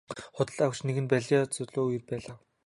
Худалдан авагч нь нэгэн булиа залуу эр байлаа.